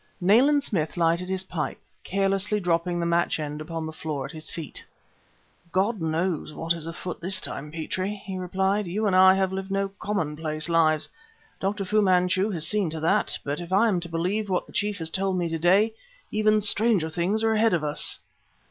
Nayland Smith lighted his pipe, carelessly dropping the match end upon the floor at his feet. "God knows what is afoot this time, Petrie!" he replied. "You and I have lived no commonplace lives; Dr. Fu Manchu has seen to that; but if I am to believe what the Chief has told me to day, even stranger things are ahead of us!"